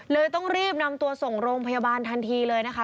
ต้องรีบนำตัวส่งโรงพยาบาลทันทีเลยนะคะ